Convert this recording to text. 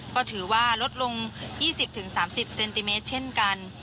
ก็ถือว่าลดลง๒๐๓๐เซนติเมตรเช่นกัน